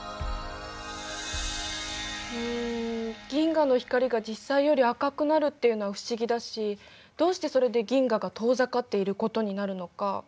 うん銀河の光が実際より赤くなるっていうのは不思議だしどうしてそれで銀河が遠ざかっていることになるのか分からない。